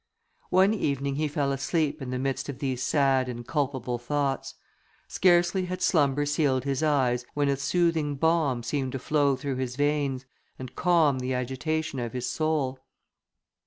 One evening he fell asleep in the midst of these sad and culpable thoughts. Scarcely had slumber sealed his eyelids, when a soothing balm seemed to flow through his veins, and calm the agitation of his soul.